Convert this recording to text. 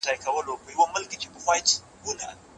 آیا د درسي موادو د ویش لړۍ په خپل وخت بشپړیږي؟